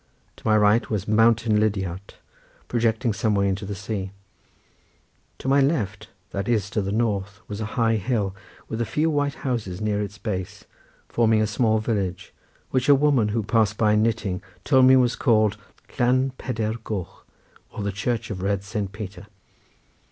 To my right was mountain Lidiart projecting some way into the sea, to my left, that is to the north, was a high hill, with a few white houses near its base, forming a small village, which a woman who passed by knitting told me was called Llan Peder Goch or the Church of Red Saint Peter.